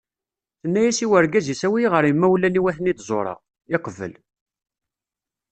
Tenna-as i urgaz-is awi-yi ɣer yimawlan-iw ad ten-id-ẓureɣ. yeqbel.